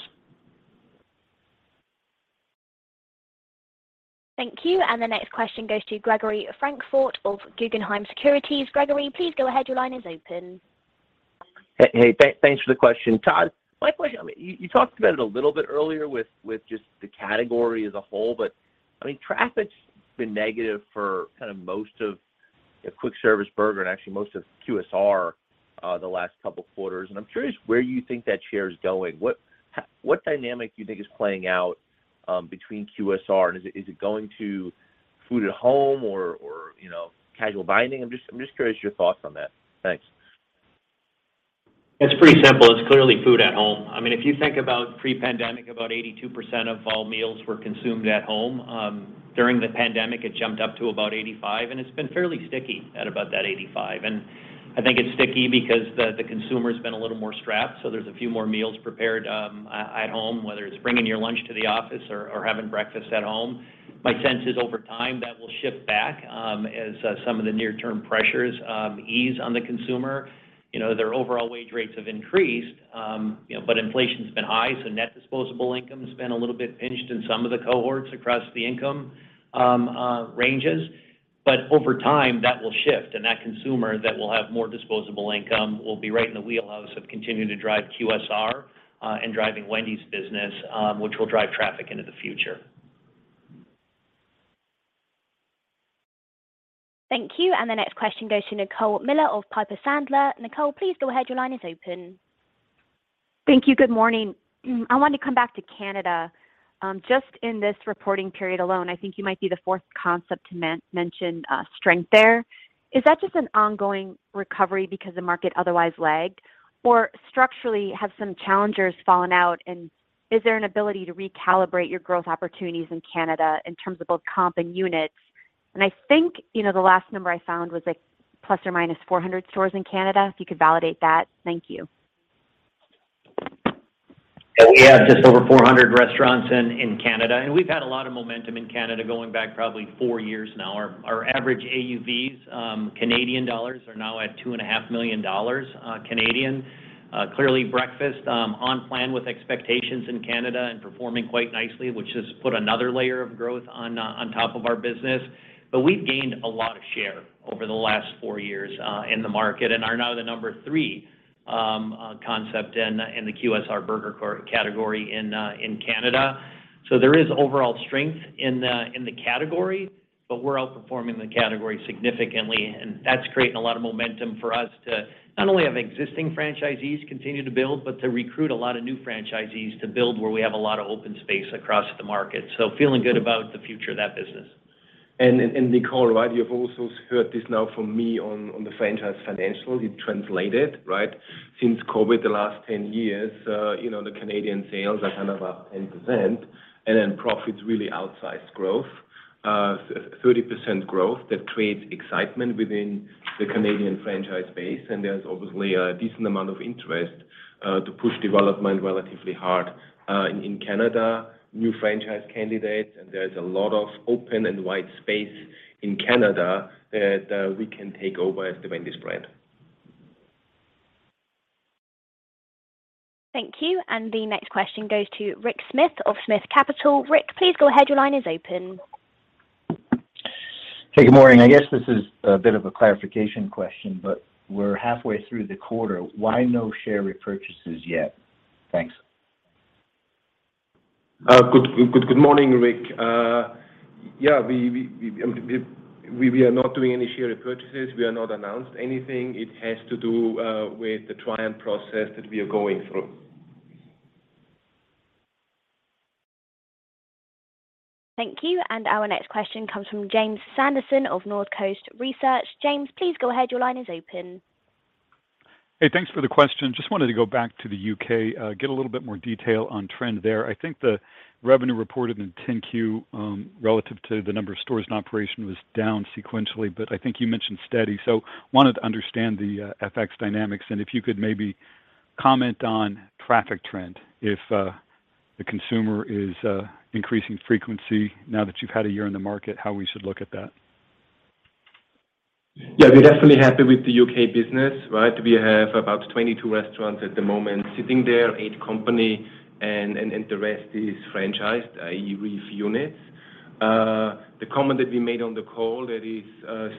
Thank you. The next question goes to Gregory Francfort of Guggenheim Securities. Gregory, please go ahead. Your line is open. Hey, hey. Thanks for the question. Todd, my question, I mean, you talked about it a little bit earlier with just the category as a whole, but I mean, traffic's been negative for kind of most of the quick service burger and actually most of QSR the last couple of quarters. I'm curious where you think that share is going. What dynamic do you think is playing out between QSR, and is it going to food at home or you know, casual dining? I'm just curious your thoughts on that. Thanks. It's pretty simple. It's clearly food at home. I mean, if you think about pre-pandemic, about 82% of all meals were consumed at home. During the pandemic, it jumped up to about 85%, and it's been fairly sticky at about that 85%. I think it's sticky because the consumer's been a little more strapped, so there's a few more meals prepared at home, whether it's bringing your lunch to the office or having breakfast at home. My sense is over time, that will shift back as some of the near-term pressures ease on the consumer. You know, their overall wage rates have increased, you know, but inflation's been high, so net disposable income's been a little bit pinched in some of the cohorts across the income ranges. Over time, that will shift, and that consumer that will have more disposable income will be right in the wheelhouse of continuing to drive QSR, and driving Wendy's business, which will drive traffic into the future. Thank you. The next question goes to Nicole Miller of Piper Sandler. Nicole, please go ahead. Your line is open. Thank you. Good morning. I wanted to come back to Canada. Just in this reporting period alone, I think you might be the fourth competitor to mention strength there. Is that just an ongoing recovery because the market otherwise lagged? Or structurally, have some challengers fallen out, and is there an ability to recalibrate your growth opportunities in Canada in terms of both comp and units? I think, you know, the last number I found was, like, ±400 stores in Canada, if you could validate that. Thank you. Yeah, we have just over 400 restaurants in Canada, and we've had a lot of momentum in Canada going back probably four years now. Our average AUVs Canadian dollars are now at 2.5 million dollars. Clearly breakfast on plan with expectations in Canada and performing quite nicely, which has put another layer of growth on top of our business. We've gained a lot of share over the last 4 years in the market and are now the number 3 concept in the QSR burger category in Canada. There is overall strength in the category, but we're outperforming the category significantly, and that's creating a lot of momentum for us to not only have existing franchisees continue to build but to recruit a lot of new franchisees to build where we have a lot of open space across the market. Feeling good about the future of that business. Nicole, right, you've also heard this now from me on the franchise financials. You translate it, right? Since COVID, the last 10 years, you know, the Canadian sales are kind of up 10% and then profits really outsized growth. 30% growth, that creates excitement within the Canadian franchise base, and there's obviously a decent amount of interest to push development relatively hard in Canada. New franchise candidates, and there's a lot of open and white space in Canada that we can take over as the Wendy's brand. Thank you. The next question goes to Rick Smith of Smith Capital. Rick, please go ahead. Your line is open. Hey, good morning. I guess this is a bit of a clarification question, but we're halfway through the quarter. Why no share repurchases yet? Thanks. Good morning, Rick. Yeah, we are not doing any share repurchases. We have not announced anything. It has to do with the Trian process that we are going through. Thank you. Our next question comes from Jim Sanderson of Northcoast Research. James, please go ahead. Your line is open. Hey, thanks for the question. Just wanted to go back to the U.K., get a little bit more detail on trend there. I think the revenue reported in 10-Q, relative to the number of stores in operation was down sequentially, but I think you mentioned steady. Wanted to understand the FX dynamics, and if you could maybe comment on traffic trend, if the consumer is increasing frequency now that you've had a year in the market, how we should look at that. Yeah, we're definitely happy with the U.K. business, right? We have about 22 restaurants at the moment sitting there, eight company and the rest is franchised, i.e., REEF units. The comment that we made on the call, that is,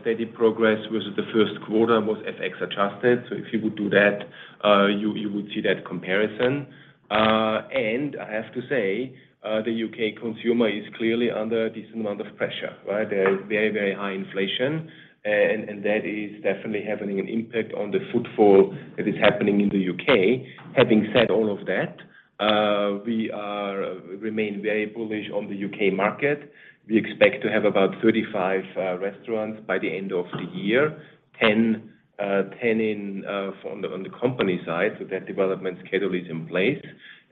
steady progress versus the first quarter was FX adjusted. So if you would do that, you would see that comparison. I have to say, the U.K. consumer is clearly under a decent amount of pressure, right? There is very, very high inflation and that is definitely having an impact on the footfall that is happening in the U.K. Having said all of that, we remain very bullish on the U.K. market. We expect to have about 35 restaurants by the end of the year, 10 on the company side. That development schedule is in place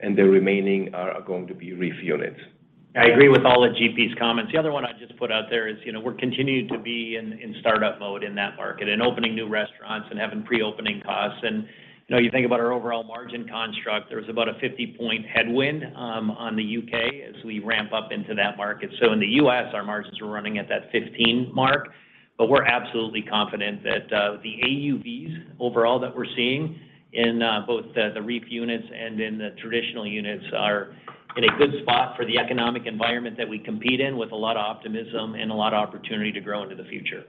and the remaining are going to be REEF units. I agree with all of GP's comments. The other one I'd just put out there is, you know, we're continuing to be in startup mode in that market and opening new restaurants and having pre-opening costs. You know, you think about our overall margin construct, there was about a 50-point headwind on the U.K. as we ramp up into that market. In the U.S., our margins are running at that 15% mark. We're absolutely confident that the AUVs overall that we're seeing in both the REEF units and in the traditional units are in a good spot for the economic environment that we compete in with a lot of optimism and a lot of opportunity to grow into the future.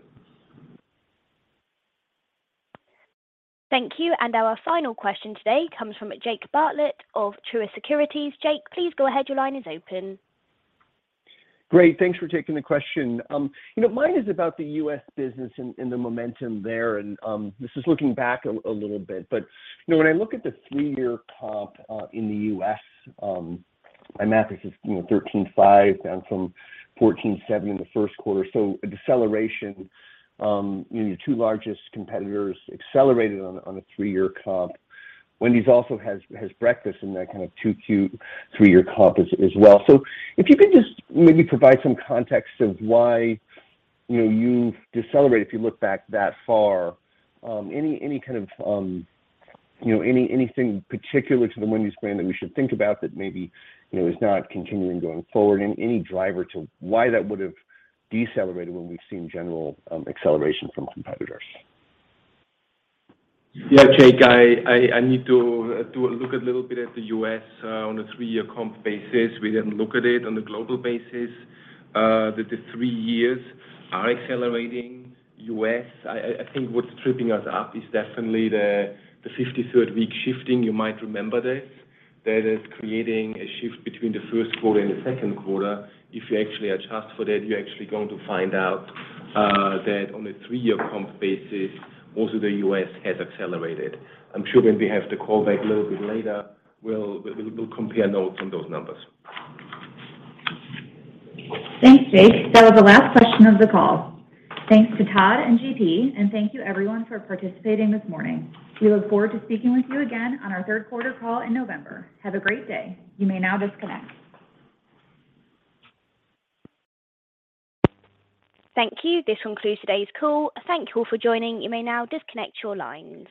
Thank you. Our final question today comes from Jake Bartlett of Truist Securities. Jake, please go ahead. Your line is open. Great. Thanks for taking the question. You know, mine is about the U.S. business and the momentum there. This is looking back a little bit, but you know, when I look at the three-year comp in the U.S., my math is just you know, 13.5% down from 14.7% in the first quarter. A deceleration, you know, your two largest competitors accelerated on a three-year comp. Wendy's also has breakfast in that kind of 2Q three-year comp as well. If you could just maybe provide some context of why, you know, you've decelerated if you look back that far. Any kind of, you know, anything particular to the Wendy's brand that we should think about that maybe, you know, is not continuing going forward and any driver to why that would have decelerated when we've seen general acceleration from competitors? Yeah. Jake, I need to look a little bit at the U.S. on a three-year comp basis. We then look at it on a global basis. That the three years are accelerating U.S. I think what's tripping us up is definitely the 53rd week shifting. You might remember this. That is creating a shift between the first quarter and the second quarter. If you actually adjust for that, you're actually going to find out that on a three-year comp basis, also the U.S. has accelerated. I'm sure when we have the call back a little bit later, we'll compare notes on those numbers. Thanks, Jake. That was the last question of the call. Thanks to Todd and GP, and thank you everyone for participating this morning. We look forward to speaking with you again on our third quarter call in November. Have a great day. You may now disconnect. Thank you. This will conclude today's call. Thank you all for joining. You may now disconnect your lines.